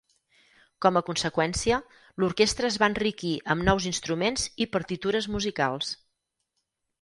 Com a conseqüència, l'orquestra es va enriquir amb nous instruments i Partitures musicals.